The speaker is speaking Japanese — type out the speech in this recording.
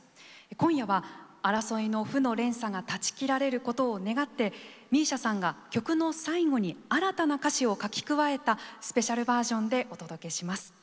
今夜は争いの負の連鎖が断ち切られることを願ってＭＩＳＩＡさんが曲の最後に新たな歌詞を書き加えたスペシャルバージョンでお届けします。